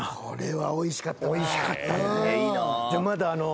おいしかったね。